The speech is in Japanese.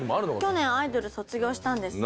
去年アイドル卒業したんです。